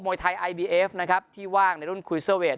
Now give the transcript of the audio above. วยไทยไอบีเอฟนะครับที่ว่างในรุ่นคุยเซอร์เวท